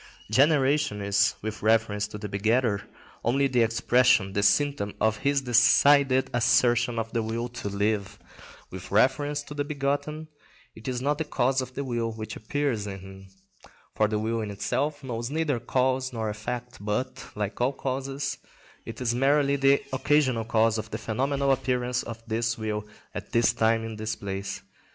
Generation is, with reference to the begetter, only the expression, the symptom, of his decided assertion of the will to live: with reference to the begotten, it is not the cause of the will which appears in him, for the will in itself knows neither cause nor effect, but, like all causes, it is merely the occasional cause of the phenomenal appearance of this will at this time in this place.